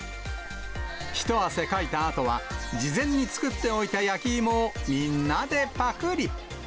一汗かいたあとは、事前に作っておいた焼き芋をみんなでぱくり。